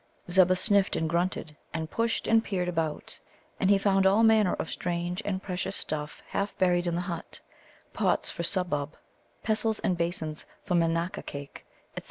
Zebbah sniffed and grunted, and pushed and peered about. And he found all manner of strange and precious stuff half buried in the hut pots for Subbub; pestles and basins for Manaka cake, etc.